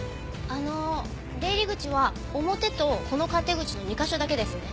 あの出入り口は表とこの勝手口の２カ所だけですね？